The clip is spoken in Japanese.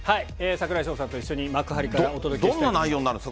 櫻井翔さんと一緒に幕張からお届けしたいと思います。